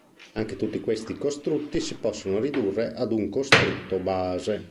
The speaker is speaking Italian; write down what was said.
Anche tutti questi costrutti si possono ridurre ad un costrutto base.